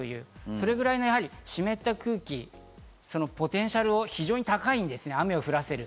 それぐらいの湿った空気、ポテンシャルが非常に高いんですね、雨を降らせる。